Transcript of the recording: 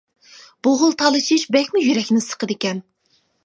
بۇ خىل تالىشىش بەكمۇ يۈرەكنى سىقىدىكەن.